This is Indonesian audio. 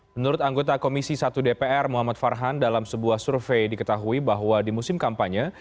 menurut anggota komisi satu dpr muhammad farhan dalam sebuah survei diketahui bahwa di musim kampanye